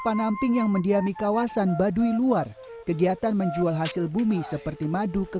penamping yang mendiami kawasan baduy luar kegiatan menjual hasil bumi seperti madu ke